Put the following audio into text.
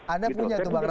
anda punya dokumennya